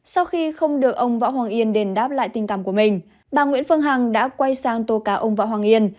sau khi không được ông võ hoàng yên đền đáp lại tình cảm của mình bà nguyễn phương hằng đã quay sang tàu cá ông võ hoàng yên